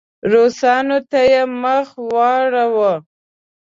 روسانو ته یې مخ واړاوه.